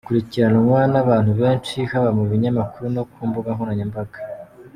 Akurikirwa n’ abantu benshi haba mu binyamakuru no ku mbuga nkoranyambaga.